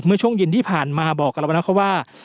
ช่วงเย็นที่ผ่านมาบอกกับเราไปนะครับว่า